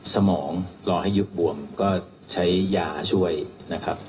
สมองรอให้ยุบบวมก็ใช้ยาช่วยนะครับ